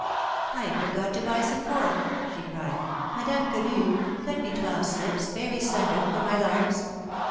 "I forgot to buy some pork," she cried. "Madame Quenu, cut me twelve slips, very slender, for my larks.